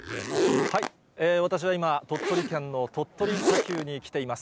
私は今、鳥取県の鳥取砂丘に来ています。